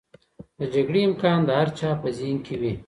د جګړې امکان د هر چا په ذهن کې و.